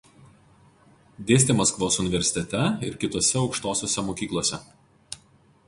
Dėstė Maskvos universitete ir kitose aukštosiose mokyklose.